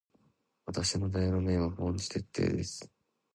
私の座右の銘は凡事徹底です。